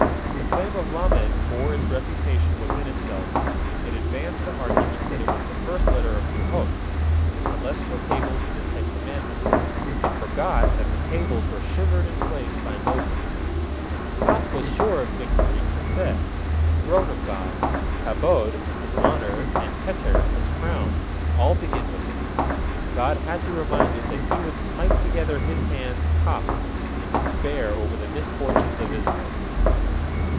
The claim of Lamed bore its refutation within itself. It advanced the argument that it was the first letter of Luhot, the celestial tables for the Ten Commandments; it forgot that the tables were shivered in pieces by Moses. Kaf was sure of victory Kisseh, the throne of God, Kabod, His honor, and Keter, His crown, all begin with it. God had to remind it that He would smite together His hands, Kaf, in despair over the misfortunes of Israel.